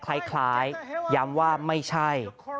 คล้ายย้ำว่าไม่ใช่